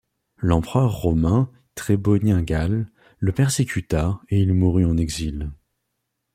L'empereur romain Trébonien Galle le persécuta et il mourut en exil.